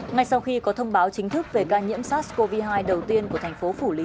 ngay sau khi có thông báo chính thức về ca nhiễm sars cov hai đầu tiên của thành phố phủ lý